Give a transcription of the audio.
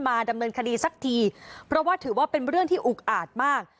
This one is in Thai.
ดำเนินคดีสักทีเพราะว่าถือว่าเป็นเรื่องที่อุกอาจมาก